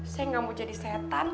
saya nggak mau jadi setan